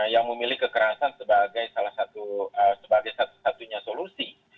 yang memilih kekerasan sebagai salah satu sebagai satu satunya solusi